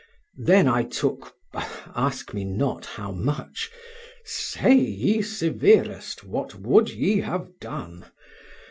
Then I took—ask me not how much; say, ye severest, what would ye have done?